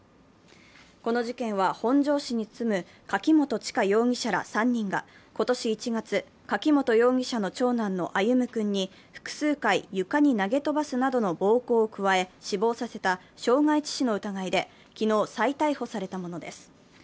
この事件は本庄市に住む柿本知香容疑者ら３人が今年１月、柿本容疑者の長男の歩夢君に複数回、床に投げ飛ばすなどの暴行を加え、死亡させた傷害致死の疑いで昨日、再逮捕されたものです。